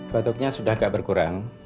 batuknya sudah agak berkurang